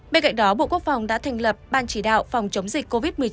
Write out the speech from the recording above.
bên cạnh đó bộ quốc phòng đã thành lập ban chỉ đạo phòng chống dịch covid một mươi chín